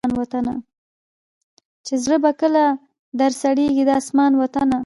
چي زړه به کله در سړیږی د اسمان وطنه